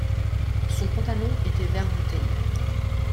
Son pantalon était vert bouteille.